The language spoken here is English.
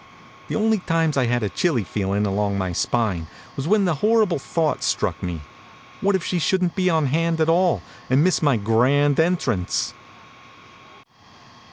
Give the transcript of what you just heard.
The only times I had a chilly feelin along my spine was when the horrible thought struck me, what if she shouldn t be on hand at all, and miss my grand en trance